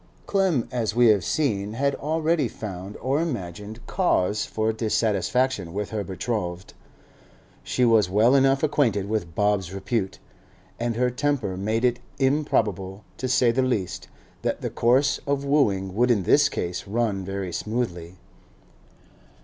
Clem, as we have seen, had already found, or imagined, cause for dissatisfaction with her betrothed. She was well enough acquainted with Bob's repute, and her temper made it improbable, to say the least, that the course of wooing would in this case run very smoothly.